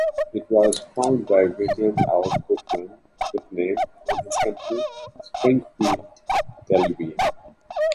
It was founded by William L. Putnam and his company, Springfield Television.